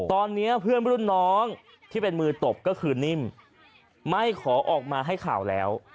ตอนนี้เพื่อนรุ่นน้องที่เป็นมือตบก็คือนิ่มไม่ขอออกมาให้ข่าวแล้ว